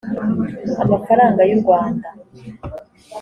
amafaranga y u rwanda